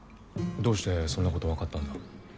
どうしてそんなこと分かったんだ？